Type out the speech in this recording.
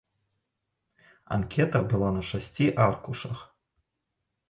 Анкета была на шасці аркушах.